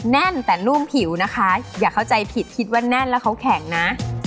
แน่นแต่นุ่มผิวนะคะอย่าเข้าใจผิดคิดว่าแน่นแล้วเขาแข็งนะ